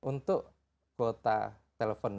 untuk mengakses konten